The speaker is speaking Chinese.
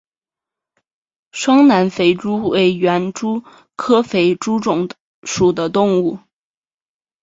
双南肥蛛为园蛛科肥蛛属的动物。